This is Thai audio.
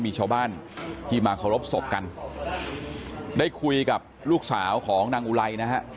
มีชาวบ้านที่มาเคารพศพกันได้คุยกับลูกสาวของนางอุไลนะฮะ